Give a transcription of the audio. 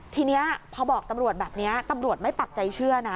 ทีนี้พอบอกตำรวจแบบนี้ตำรวจไม่ปักใจเชื่อนะ